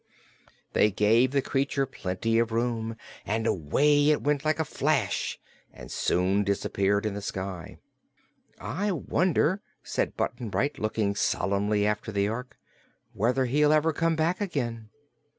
They gave the creature plenty of room and away it went like a flash and soon disappeared in the sky. "I wonder," said Button Bright, looking solemnly after the Ork, "whether he'll ever come back again."